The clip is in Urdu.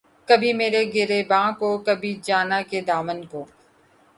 کبھی میرے گریباں کو‘ کبھی جاناں کے دامن کو